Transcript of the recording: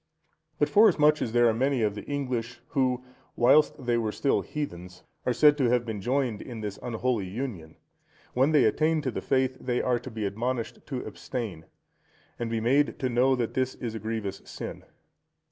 But forasmuch as there are many of the English, who, whilst they were still heathens, are said to have been joined in this unholy union, when they attain to the faith they are to be admonished to abstain, and be made to know that this is a grievous sin.